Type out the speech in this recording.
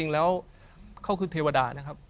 แล้วเขาคือเทวดานะครับ